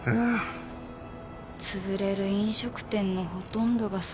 潰れる飲食店のほとんどがそう。